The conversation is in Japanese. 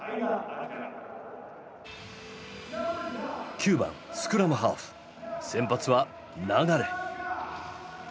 ９番スクラムハーフ先発は流。